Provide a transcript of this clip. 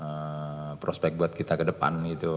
jadi prospek buat kita ke depan gitu